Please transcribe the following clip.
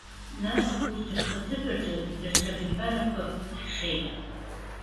Нас, урҭ рхаҭыԥаҿы даҽа абиԥарақәак ҳшеит.